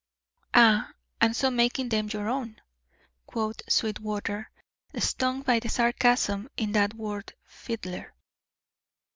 "Ah, and so making them your own," quoth Sweetwater, stung by the sarcasm in that word fiddler.